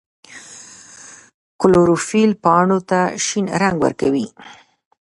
کلوروفیل پاڼو ته شین رنګ ورکوي